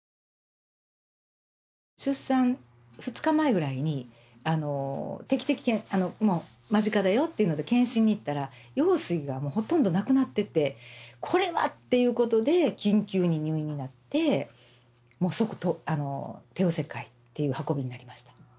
出産２日前ぐらいにあの定期的もう間近だよっていうので検診に行ったら羊水がほとんど無くなっててこれは！っていうことで緊急に入院になってもう即帝王切開っていう運びになりました。